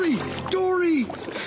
ドリー！